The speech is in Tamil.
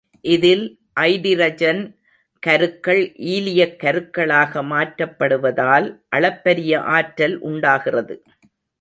இதில் அய்டிரஜன் கருக்கள் ஈலியக் கருக்களாக மாற்றப்படுவதால் அளப்பரிய ஆற்றல் உண்டாகிறது.